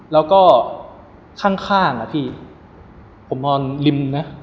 แล้วก็ข้างผมนอนริม